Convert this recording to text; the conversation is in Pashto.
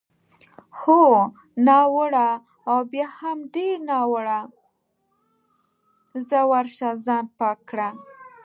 هو، ناوړه او بیا هم ډېر ناوړه، ځه ورشه ځان پاک کړه.